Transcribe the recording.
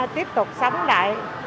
tiếp tục sống lại